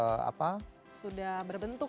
sudah berbentuk gitu ya